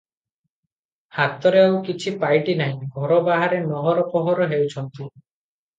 ହାତରେ ଆଉ କିଛି ପାଇଟି ନାହିଁ, ଘର ବାହାରେ ନହର ପହର ହେଉଛନ୍ତି ।